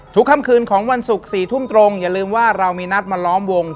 ค่ำคืนของวันศุกร์๔ทุ่มตรงอย่าลืมว่าเรามีนัดมาล้อมวง